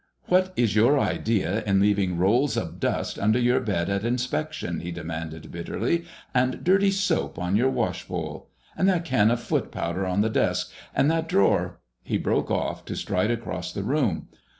"What is your idea in leaving rolls of dust under your bed at inspection?" he demanded bitterly. "And dirty soap on your washbowl? And that can of foot powder on the desk? And that drawer—" He broke off, to stride across the room.